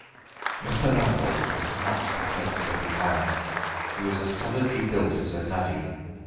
Mr. Lambole was not a pleasant looking man; he was as solidly built as a navvy.